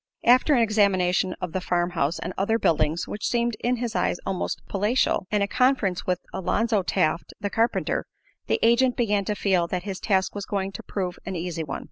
After an examination of the farm house and other buildings (which seemed in his eyes almost palatial), and a conference with Alonzo Taft, the carpenter, the agent began to feel that his task was going to prove an easy one.